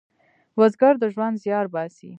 بزګر د ژوند زیار باسي